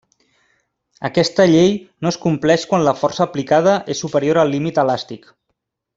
Aquesta llei no es compleix quan la força aplicada és superior al límit elàstic.